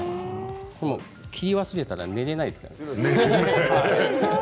切り忘れたら寝られないですから。